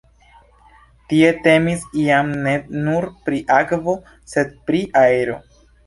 Tie temis jam ne nur pri akvo, sed pri aero.